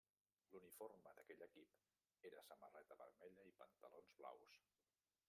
L'uniforme d'aquell equip era samarreta vermella i pantalons blaus.